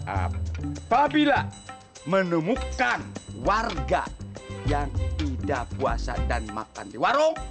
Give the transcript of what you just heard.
apabila menemukan warga yang tidak puasa dan makan di warung